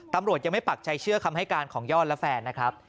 ตำรวจยังไม่ปักใจเชื่อคำให้การของยอดและแฟนนะครับ